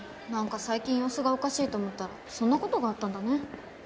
なんか最近様子がおかしいと思ったらそんな事があったんだね。